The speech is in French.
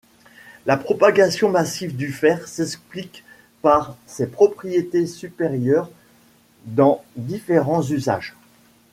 La propagation massive du fer s'explique par ses propriété supérieures dans différents usages.